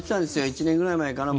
１年ぐらい前かな